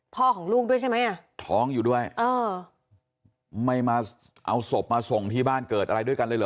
ของลูกด้วยใช่ไหมอ่ะท้องอยู่ด้วยเออไม่มาเอาศพมาส่งที่บ้านเกิดอะไรด้วยกันเลยเหรอ